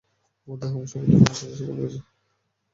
আমার দেহ আর মন, সবটুকুই তোমার কাছে সমর্পন করেছি!